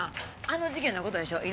あの事件の事でしょう？